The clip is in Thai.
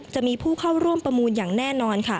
จะมีผู้เข้าร่วมประมูลอย่างแน่นอนค่ะ